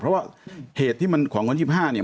เพราะว่าเหตุของวัน๒๕เนี่ย